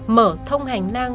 mở thông hành nang